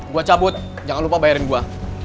gue cabut jangan lupa bayarin buah